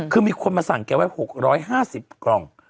คือมีคนมาสั่งแกไว้๖๕๐กล่อง